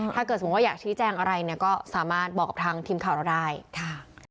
ถ้าเกิดสมมุติว่าอยากชี้แจงอะไรเนี่ยก็สามารถบอกกับทางทีมข่าวเราได้ค่ะ